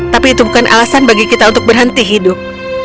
tapi itu bukan alasan bagi kita untuk berhenti hidup